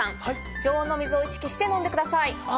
常温の水を意識して飲んでください。